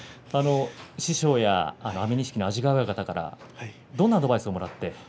師匠や安美錦の安治川親方からどんなアドバイスをもらって？